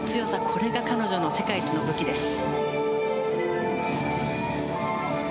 これが彼女の世界一の武器です。